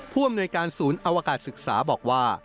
ผู้อำนวยการศูนย์อวกาศศึกษาบอกว่า